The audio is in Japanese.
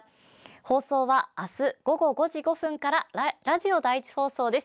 放送は明日、午後５時５分からラジオ第１放送です。